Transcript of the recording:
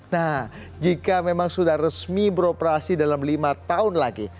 nah jika memang sudah resmi beroperasi dalam lima tahun lagi